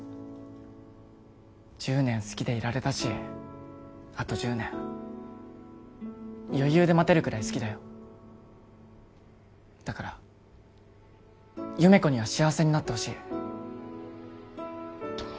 １０年好きでいられたしあと１０年余裕で待てるぐらい好きだよだから優芽子には幸せになってほしい冬